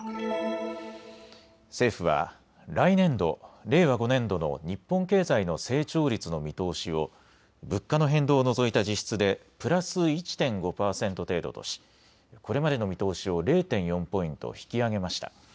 政府は来年度、令和５年度の日本経済の成長率の見通しを物価の変動を除いた実質でプラス１．５％程度としこれまでの見通しを０．４ポイント引き上げました。